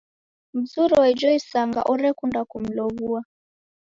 Mzuri wa ijo isanga orekunda kumlow'ua.